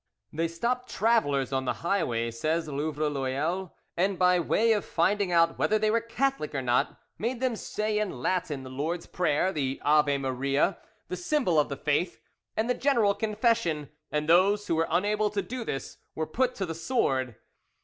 "They stopped travellers on the highways," says Louvreloeil, "and by way of finding out whether they were Catholic or not, made them say in Latin the Lord's Prayer, the Ave Maria, the Symbol of the Faith, and the General Confession, and those who were unable to do this were put to the sword.